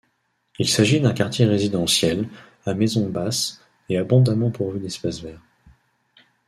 Il s’agit d’un quartier résidentiel, à maisons basses et abondamment pourvu d’espaces verts.